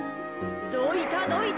どいたどいた。